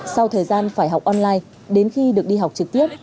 sau thời gian phải học online đến khi được đi học trực tiếp